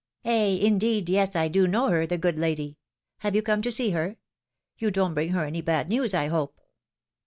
Eh ! indeed, yes, I do know her, the good lady ! Have you come to see her ? You don't bring her any bad news, I hope